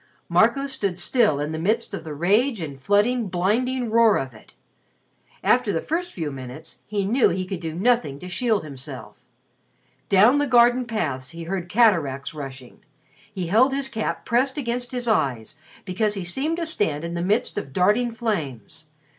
Marco stood still in the midst of the rage and flooding, blinding roar of it. After the first few minutes he knew he could do nothing to shield himself. Down the garden paths he heard cataracts rushing. He held his cap pressed against his eyes because he seemed to stand in the midst of darting flames.